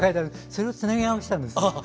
それをつなぎ合わせたんです。